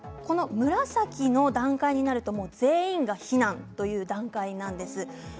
紫の段階になると全員が避難という段階なんです。